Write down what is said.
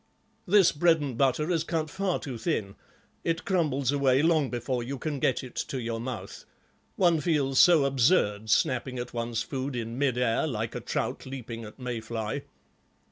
This bread and butter is cut far too thin; it crumbles away long before you can get it to your mouth. One feels so absurd, snapping at one's food in mid air, like a trout leaping at may fly."